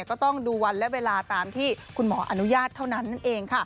ก็ต้องดูวันและเวลาตามที่คุณหมออนุญาตเท่านั้น